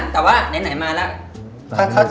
แต่ไหนมาแล้ว